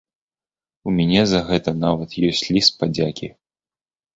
У мяне за гэта нават ёсць ліст падзякі.